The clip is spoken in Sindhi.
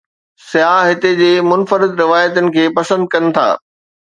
سياح هتي جي منفرد روايتن کي پسند ڪن ٿا.